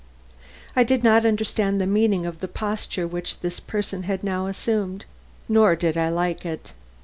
I did not understand the meaning of the posture which this person had now assumed; nor did I like it.